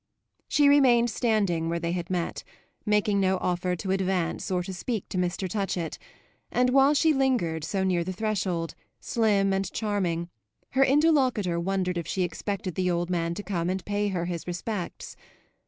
She remained standing where they had met, making no offer to advance or to speak to Mr. Touchett, and while she lingered so near the threshold, slim and charming, her interlocutor wondered if she expected the old man to come and pay her his respects.